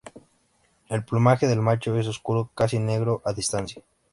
El plumaje del macho es oscuro casi negro a distancia.